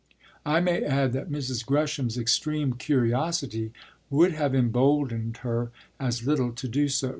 I may add that Mrs. Gresham's extreme curiosity would have emboldened her as little to do so.